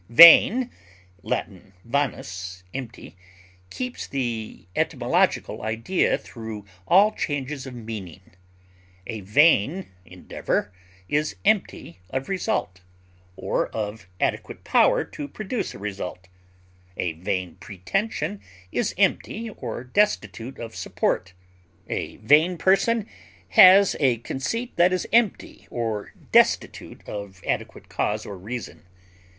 Vain (L. vanus, empty) keeps the etymological idea through all changes of meaning; a vain endeavor is empty of result, or of adequate power to produce a result, a vain pretension is empty or destitute of support, a vain person has a conceit that is empty or destitute of adequate cause or reason.